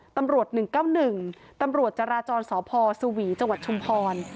ตำรวจ๑๙๑ตำรวจจราจรสพสวีจชุมพร